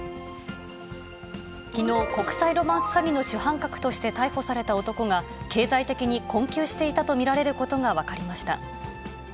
きのう、国際ロマンス詐欺の主犯格として逮捕された男が、経済的に困窮していたと見られることが分かりました。